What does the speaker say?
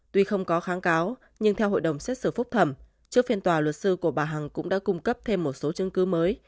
tuy không có kháng cáo nhưng theo hội đồng xét xử phúc thẩm trước phiên tòa luật sư của bà hằng cũng đã cung cấp thêm một số chứng cứ mới